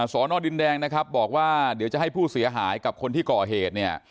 สอนอดินแดงนะครับบอกว่าเดี๋ยวจะให้ผู้เสียหายกับคนที่ก่อเหตุเนี่ย